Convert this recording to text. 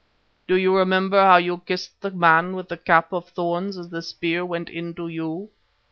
Do you remember how you kissed the man with the cap of thorns as the spear went into you?